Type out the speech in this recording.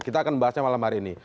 kita akan membahasnya malam hari ini